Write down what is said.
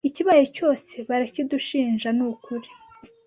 ikibaye cyose barakidushinja nukuri